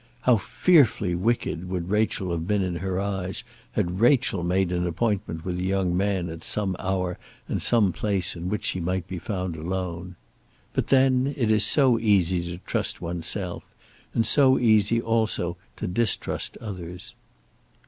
How fearfully wicked would Rachel have been in her eyes, had Rachel made an appointment with a young man at some hour and some place in which she might be found alone! But then it is so easy to trust oneself, and so easy also to distrust others.